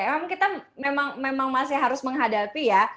memang kita memang masih harus menghadapi ya